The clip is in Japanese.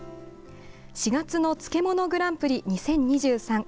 ４月の漬物グランプリ２０２３。